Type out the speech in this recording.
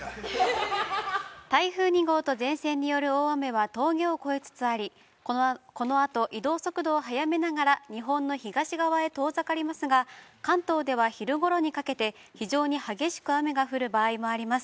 台風２号と前線にある大雨は、峠を越えつつあり、このあと、移動速度を早めながら、日本の東側へ遠ざかりますが関東では昼ごろにかけて、非常に激しく雨が降る場合があります。